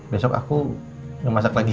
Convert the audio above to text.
besok aku ngemasak lagi